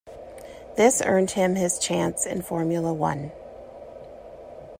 This earned him his chance in Formula One.